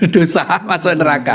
dosa masuk neraka